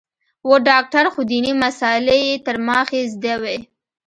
و ډاکتر خو ديني مسالې يې تر ما ښې زده وې.